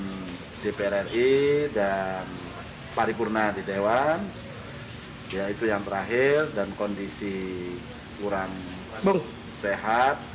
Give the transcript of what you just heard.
dan dpr ri dan paripurna di dewan ya itu yang terakhir dan kondisi kurang sehat